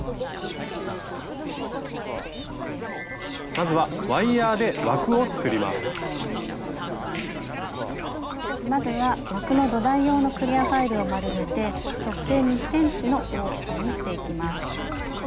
まずは枠の土台用のクリアファイルを丸めて直径２センチの大きさにしていきます。